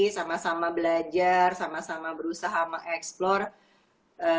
sama sama belajar sama sama berusaha mengeksplor